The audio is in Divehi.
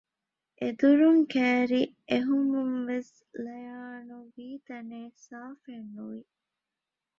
އެދުރުން ކައިރީ އެހުމުންވެސް ލަޔާނު ވީތަނެއް ސާފެއްނުވި